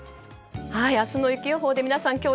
明日の雪予報で皆さん